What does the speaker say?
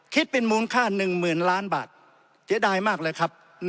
คิดเป็นมูลค่า๑๐๐๐ล้านบาทเสียดายมากเลยครับ